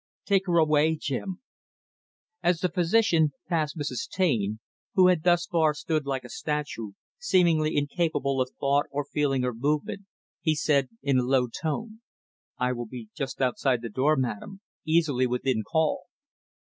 Take her away, Jim." As the physician passed Mrs. Taine, who had thus far stood like a statue, seemingly incapable of thought or feeling or movement, he said in a low tone, "I will be just outside the door, madam; easily within call."